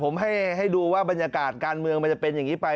ผมให้ดูว่าบรรยากาศการเมืองมันจะเป็นอย่างนี้ไป